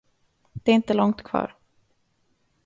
Det är inte långt kvar.